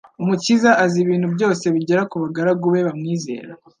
Umukiza azi ibintu byose bigera ku bagaragu be bamwizera;